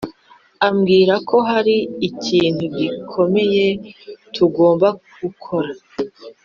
ambwira ko hari ikintu gikomeye tugomba gukora.